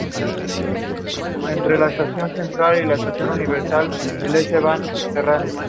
Fue escrito por George R. R. Martin y dirigido por Michelle MacLaren.